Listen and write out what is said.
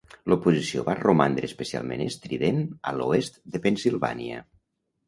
L'oposició va romandre especialment estrident a l'oest de Pennsilvània.